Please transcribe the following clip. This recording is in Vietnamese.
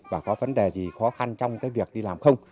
và có vấn đề gì khó khăn trong cái việc đi làm không